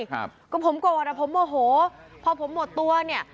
ครับก็ผมกลัวแต่ผมโอ้โหพอผมหมดตัวเนี่ย